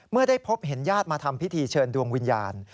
ได้พบเห็นญาติมาทำพิธีเชิญดวงวิญญาณ